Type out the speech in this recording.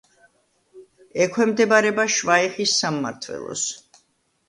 ექვემდებარება შვაიხის სამმართველოს.